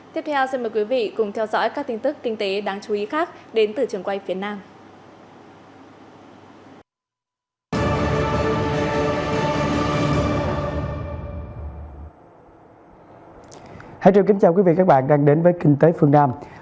tiếp theo xin mời quý vị cùng theo dõi các tin tức kinh tế đáng chú ý khác đến từ trường quay phía nam